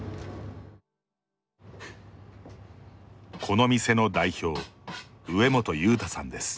この店の代表植元裕太さんです。